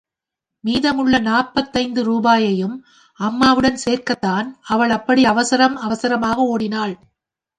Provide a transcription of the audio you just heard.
மீதம் உள்ள நாற்பத்தைந்து ரூபாயையும் அம்மாவிடம் சேர்க்கத்தான் அவள் அப்படி அவசரம் அவசரமாக ஒடினாள்.